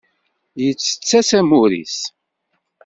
Yettett-as amur-is.